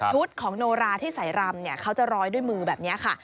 ของโนราที่ใส่รำเขาจะร้อยด้วยมือแบบนี้ค่ะ